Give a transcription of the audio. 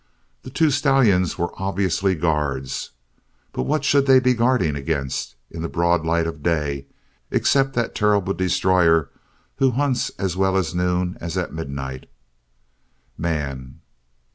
The two stallions were obviously guards, but what should they be guarding against in the broad light of day except that terrible destroyer who hunts as well at noon as at midnight man!